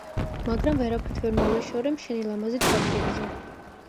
მაგრამ ვერაფრით ვერ მოვიშორე შენი ლამაზი თვაბლებზე.